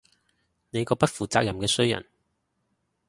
你個不負責任嘅衰人